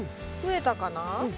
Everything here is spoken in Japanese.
増えたかな？